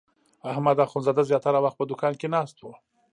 احمد اخوندزاده زیاتره وخت په دوکان کې ناست و.